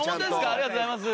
ありがとうございます。